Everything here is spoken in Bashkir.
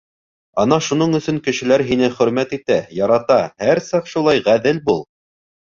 Ана шуның өсөн кешеләр һине хөрмәт итә, ярата, һәр саҡ шулай ғәҙел бул.